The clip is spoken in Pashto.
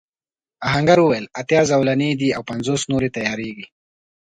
آهنګر وویل اتيا زولنې دي او پنځوس نورې تياریږي.